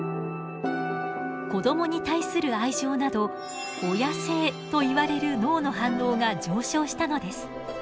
子どもに対する愛情など親性といわれる脳の反応が上昇したのです。